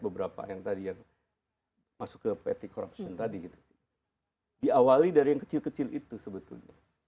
beberapa yang tadi yang masuk ke pt corruption tadi gitu sih diawali dari yang kecil kecil itu sebetulnya